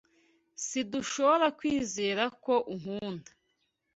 Sidushobora kwizera ko unkunda.